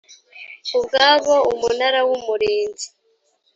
ubwabo umunara w’umurinzi